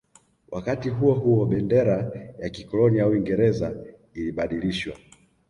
Wakati huo huo bendera ya kikoloni ya Uingereza ilibadilishwa